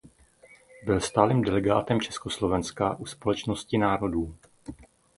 Byl stálým delegátem Československa u Společnosti národů.